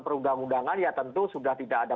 perundang undangan ya tentu sudah tidak ada